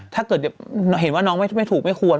ถ้าเห็นว่าน้องไม่ถูกไม่ควร